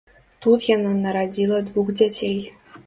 Тут яна нарадзіла двух дзяцей.